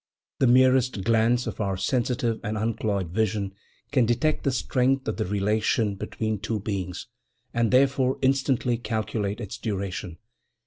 The merest glance of our sensitive and uncloyed vision can detect the strength of the relation between two beings, and therefore instantly calculate its duration.